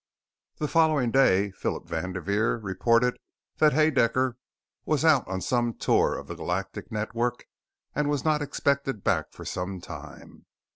The following day Phillip Vanderveer reported that Haedaecker was out on some tour of the Galactic Network and was not expected back for some time.